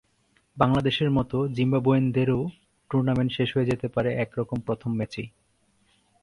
বাংলাদেশের মতো জিম্বাবুইয়ানদেরও টুর্নামেন্ট শেষ হয়ে যেতে পারে একরকম প্রথম ম্যাচেই।